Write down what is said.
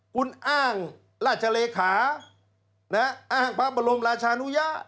คุณอ้างราชเลขาอ้างพระบรมราชานุยะ